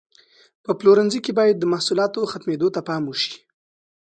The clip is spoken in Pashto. په پلورنځي کې باید د محصولاتو ختمېدو ته پام وشي.